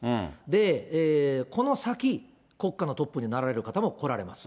で、この先、国家のトップになられる方も来られます。